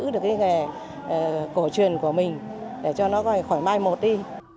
được cái nghề cổ truyền của mình để cho nó khỏi mai một đi